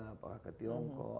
apakah ke tiongkok